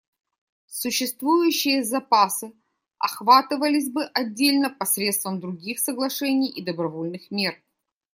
Существующие запасы охватывались бы отдельно посредством других соглашений и добровольных мер.